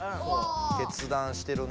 決断してるね。